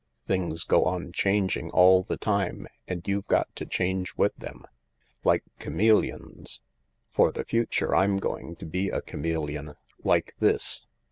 Things go on changing all the time, and you've got to change with them. Like chameleons. For the future I'm going to be a chameleon. Like this."